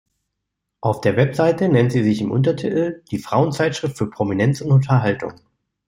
Auf der Website nennt sie sich im Untertitel: «Die Frauenzeitschrift für Prominenz und Unterhaltung».